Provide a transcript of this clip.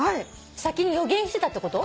先に予言してたってこと？